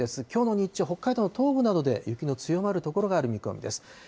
きょうの日中、北海道の東部などで雪の強まる所がある見込みです。